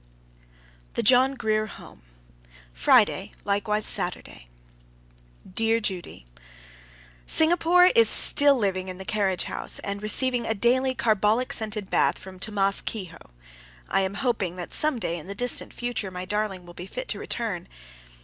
THE JOHN GRIER HOME, Friday, likewise Saturday. Dear Judy: Singapore is still living in the carriage house, and receiving a daily carbolic scented bath from Tammas Kehoe. I am hoping that some day, in the distant future, my darling will be fit to return.